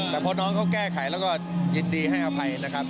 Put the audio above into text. แต่พอน้องเขาแก้ไขแล้วก็ยินดีให้อภัยนะครับ